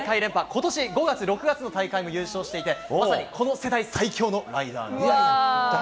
ことし５月、６月の大会も優勝していて、まさにこの世代最強のライダーなんです。